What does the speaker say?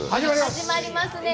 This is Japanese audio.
始まりますね。